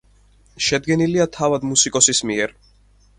შედგენილია თავად მუსიკოსის მიერ.